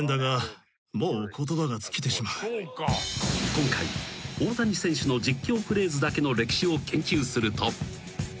［今回大谷選手の実況フレーズだけの歴史を研究すると］